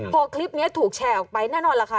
พอคลิปนี้ถูกแชร์ออกไปแน่นอนล่ะค่ะ